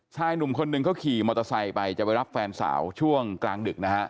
ชายหนุ่มคนหนึ่งเขาขี่มอเตอร์ไซค์ไปจะไปรับแฟนสาวช่วงกลางดึกนะฮะ